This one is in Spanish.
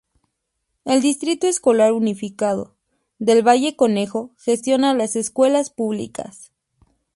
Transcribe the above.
El Distrito Escolar Unificado del Valle Conejo gestiona las escuelas públicas.